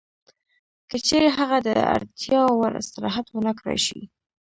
که چېرې هغه د اړتیا وړ استراحت ونه کړای شي